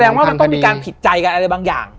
ว่ามันต้องมีการผิดใจกันอะไรบางอย่าง